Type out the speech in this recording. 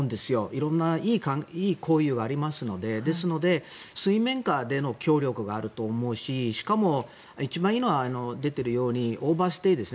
色んないい交友がありますのでですので、水面下での協力があると思うし一番いいのは出てるようにオーバーステイですね。